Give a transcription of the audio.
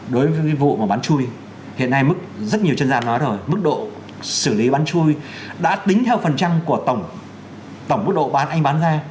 đối với vụ bán chui hiện nay rất nhiều chân gia nói rồi mức độ xử lý bán chui đã tính theo phần trăng của tổng mức độ bán anh bán ra